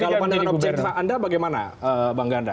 kalau pandangan objektif anda bagaimana bang ganda